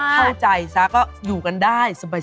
เข้าใจซะก็อยู่กันได้สบาย